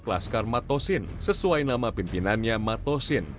kelas kar matosin sesuai nama pimpinannya matosin